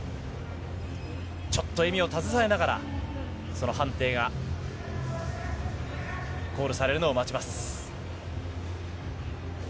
ちょっと笑みを携えながら、その判定が、コールされるのを待ちます。